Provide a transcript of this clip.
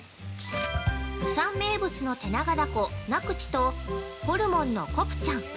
◆釜山名物の手長ダコ、ナクチとホルモンのコプチャン。